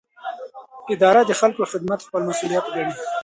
اداره د خلکو خدمت خپل مسوولیت ګڼي.